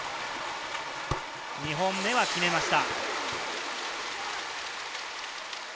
２本目は決めました。